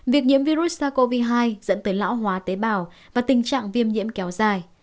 việc nhiễm virus sars cov hai dẫn tới lão hóa tế bào và tình trạng viêm nhiễm kéo dài